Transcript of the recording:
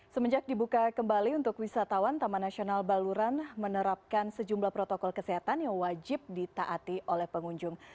semenjak dibuka kembali untuk wisatawan taman nasional baluran menerapkan sejumlah protokol kesehatan yang wajib ditaati oleh pengunjung